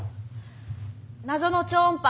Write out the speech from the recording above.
謎の超音波